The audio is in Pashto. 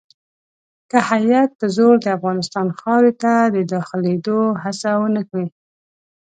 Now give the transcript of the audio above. که هیات په زور د افغانستان خاورې ته داخلېدلو هڅه ونه کړي.